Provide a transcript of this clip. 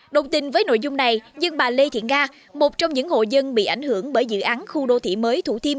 đồng tình với nội dung này nhưng bà lê thiện nga một trong những hộ dân bị ảnh hưởng bởi dự án khu đô thị mới thủ thiê